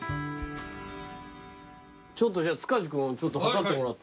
ちょっとじゃあ塚地君ちょっと測ってもらって。